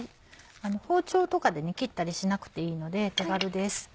包丁とかで切ったりしなくていいので手軽です。